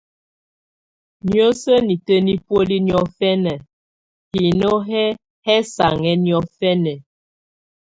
Niǝ́suǝ́ nitǝ́ nɛ buoli niɔfɛna, hino hɛ hɛsanhɛ niɔfɛna.